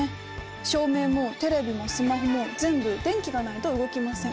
照明もテレビもスマホも全部電気がないと動きません。